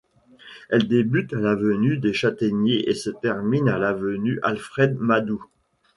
Elle débute à l’avenue des Châtaigniers et se termine à l’avenue Alfred-Madoux.